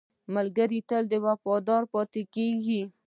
ملګری تل وفادار پاتې کېږي